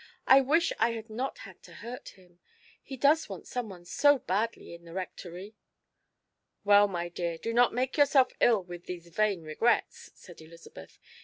I wish I had not had to hurt him. He does want someone so badly in the Rectory." "Well, my dear, do not make yourself ill with these vain regrets," said Elizabeth.